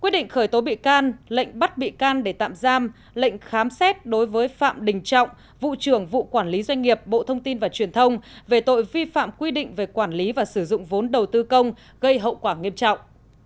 quyết định khởi tố bị can lệnh bắt bị can để tạm giam lệnh khám xét đối với phạm đình trọng vụ trưởng vụ quản lý doanh nghiệp bộ thông tin và truyền thông về tội vi phạm quy định về quản lý và sử dụng vốn đầu tư công gây hậu quả nghiêm trọng